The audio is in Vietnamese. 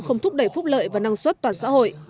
không thúc đẩy phúc lợi và năng suất toàn xã hội